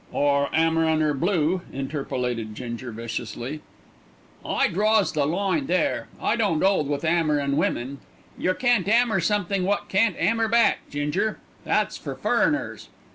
"Or 'ammerin 'er blue," interpolated Ginger viciously. "I draws the line there; I don't 'old with 'ammerin' women. Yer can't 'ammer somethink wot can't 'ammer back, Ginger; that's for furriners.